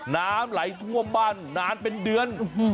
น้ำไหลท่วมบ้านนานเป็นเดือน